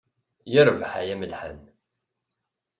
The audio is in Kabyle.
Yerbeḥ ay amelḥan.